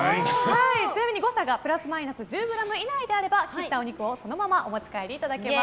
ちなみに誤差がプラスマイナス１０ｇ以内であれば切ったお肉をそのままお持ち帰りいただけます。